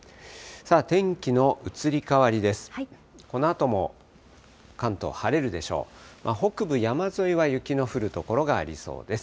天気の移り変わりです。